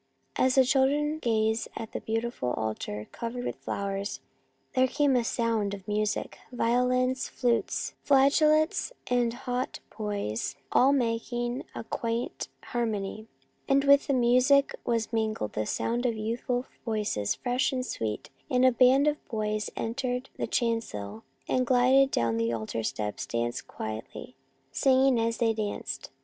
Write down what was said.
As the children gazed at the beautiful altar covered with flowers, there came the sound of music, — violins, flutes, flageolets, and haut boys all making a quaint harmony, — and with the music was mingled the sound of youthful voices, fresh and sweet, and a band of boys entered the chancel, and gliding down the altar steps danced quietly, singing as they danced.